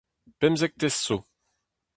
Pemzektez zo.